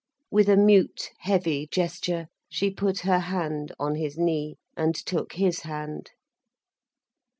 With a mute, heavy gesture she put her hand on his knee, and took his hand.